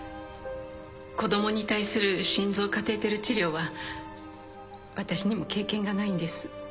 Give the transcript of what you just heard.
子供に対する心臓カテーテル治療は私にも経験がないんです